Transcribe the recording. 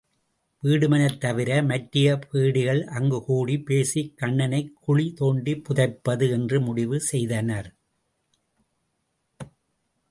வீடுமனைத் தவிர மற்றைய பேடிகள் அங்குக்கூடிப் பேசிக் கண்ணனைக் குழி தோண்டிப் புதைப்பது என்று முடிவு செய்தனர்.